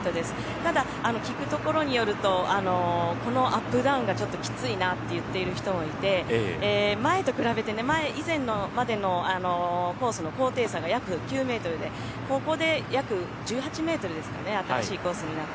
ただ、聞くところによるとこのアップダウンがちょっときついなと言っている人もいて前と比べて以前までのコースの高低差が約９ｍでここで約１８ｍですかね新しいコースになって。